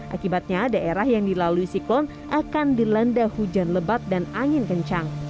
akibatnya daerah yang dilalui siklon akan dilanda hujan lebat dan angin kencang